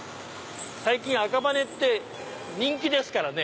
最近赤羽って人気ですからね。